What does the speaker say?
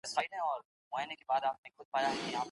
بد کول خو ښه نه دي .